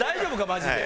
マジで。